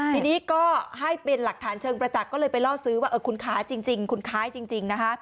ทีนี้ก็ให้เป็นหลักฐานเชิงประจักษ์ก็เลยไปล่อซื้อว่าคุณขายจริง